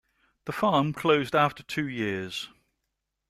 The farm closed after two years.